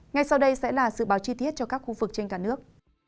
ngay sau đây sẽ là sự báo chi tiết cho các khu vực trên cả nước